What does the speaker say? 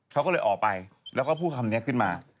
เขาก็เลยออกไปแล้วก็พูดคำนี้ขึ้นมา